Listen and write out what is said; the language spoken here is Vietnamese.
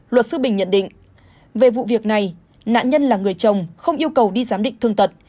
luật sư bình nhận định về vụ việc này nạn nhân là người chồng không yêu cầu đi giám định thương tật